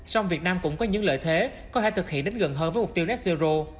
song việt nam cũng có những lợi thế có thể thực hiện đến gần hơn với mục tiêu net zero